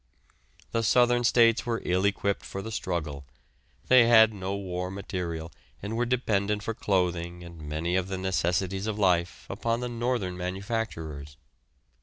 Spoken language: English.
The southern states were ill equipped for the struggle, they had no war material and were dependent for clothing and many of the necessities of life upon the northern manufacturers.